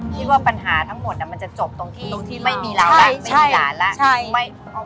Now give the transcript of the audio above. คิดว่าปัญหาทั้งหมดมันจะจบตรงที่ไม่มีเราแล้วไม่มีหลานแล้ว